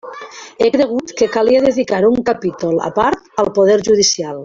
He cregut que calia dedicar un capítol a part al poder judicial.